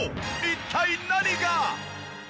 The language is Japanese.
一体何が？